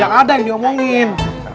gak ada yang diomongin